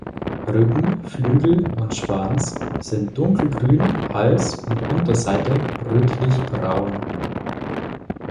Rücken, Flügel und Schwanz sind dunkelgrün, Hals und Unterseite rötlich-braun.